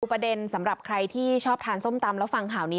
ประเด็นสำหรับใครที่ชอบทานส้มตำแล้วฟังข่าวนี้